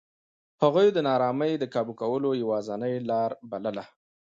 هغوی د نارامۍ د کابو کولو یوازینۍ لار بلله.